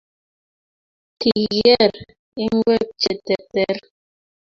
Kigigeer ingwek che terter